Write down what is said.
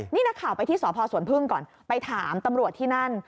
นี่นักข่าวไปที่สพสวนพึ่งก่อนไปถามตำรวจที่นั่น